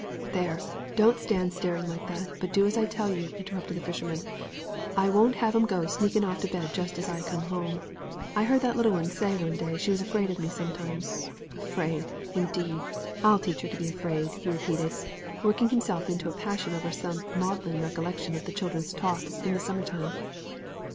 "There, don't stand staring like that, but do as I tell you," interrupted the fisherman; "I won't have 'em go sneaking off to bed just as I come home. I heard that little 'un say one day she was afraid of me sometimes. Afraid, indeed; I'll teach her to be afraid," he repeated, working himself into a passion over some maudlin recollection of the children's talk in the summer time.